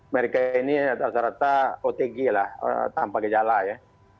mereka ini rata rata otg lah tanpa gejala ya